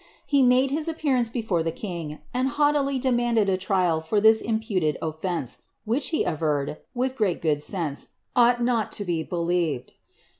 lie made hia appearance before the king, anii haughtily demanded a trial fo[ ibis iznpuled offence, which he averreJ. wilh great good sense, ouglit not to be believed.